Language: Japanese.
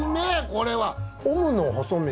これは！